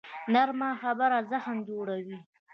نرمه خبره زخم جوړوي